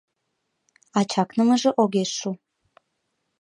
А чакнымыже огеш шу.